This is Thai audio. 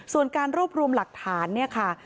ส่วนการรวบรวมหลักฐานเนี่ยค่ะ